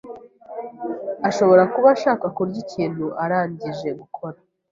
ashobora kuba ashaka kurya ikintu arangije gukora.